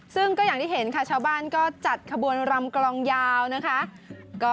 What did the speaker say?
ซึ่งก็อย่างที่เห็นค่ะชาวบ้านก็จัดขบวนรำกลองยาวนะคะ